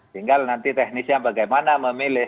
tinggal nanti teknisnya bagaimana memilih